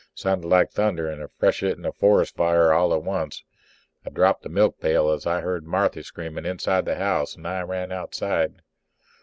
Sounded like thunder and a freshet and a forest fire all at once. I dropped the milkpail as I heard Marthy scream inside the house, and I run outside.